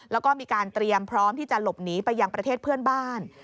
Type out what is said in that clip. แล้วก็มีการเตรียมพร้อมที่จะหลบหนีไปยังประเทศเพื่อนบ้าน